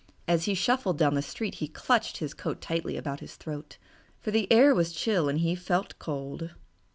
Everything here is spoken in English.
As he shuffled down the street, he clutched his coat tightly about his throat, for the air was chill and he felt the cold.